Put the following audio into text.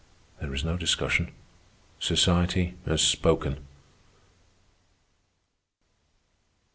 There is no discussion. Society has spoken."